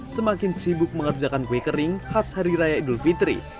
semakin sibuk mengerjakan kue kering khas hari raya idul fitri